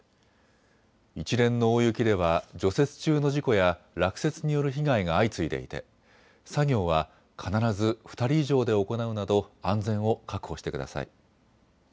一連の大雪では除雪中の事故や落雪による被害が相次いでいて作業は必ず２人以上で行うなど安全を確保してください。